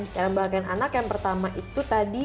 cara membahayakan anak yang pertama itu tadi